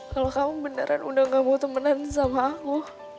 kalau kamu beneran udah gak mau temenan sama aku